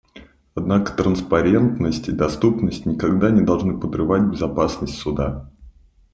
Однако транспарентность и доступность никогда не должны подрывать безопасность Суда.